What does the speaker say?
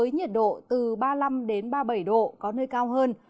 nhiệt độ từ ba mươi năm ba mươi bảy độ có nơi cao hơn